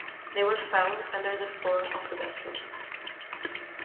They were found under the floor of the bedroom.